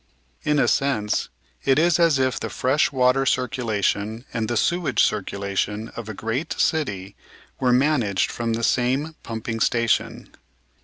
In a sense it is as if the fresh water circulation and the sewage circulation of a great city were managed from the same pumping station.